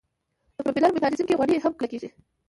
د پروپیلر په میکانیزم کې غوړي هم کلکیږي